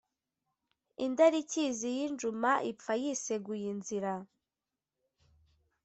indarikizi y'injuma ipfa yiseguye inzira